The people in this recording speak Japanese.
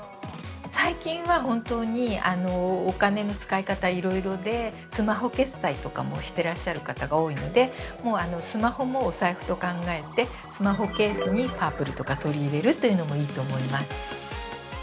最近は本当にお金の使い方、いろいろでスマホ決済とかもしてらっしゃる方が多いので、スマホもお財布と考えて、スマホケースにパープルとか取り入れるというのもいいと思います。